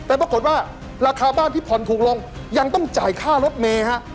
แต่ปรากฏว่าราคาบ้านที่ผ่อนถูกลงยังต้องจ่ายค่ารถเมย์ฮะ